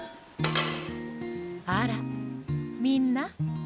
あらみんな。